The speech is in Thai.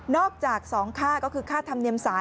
อกจาก๒ค่าก็คือค่าธรรมเนียมสาร